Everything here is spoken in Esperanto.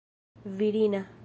virina